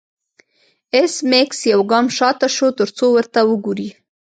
ایس میکس یو ګام شاته شو ترڅو ورته وګوري